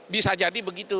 bisa jadi begitu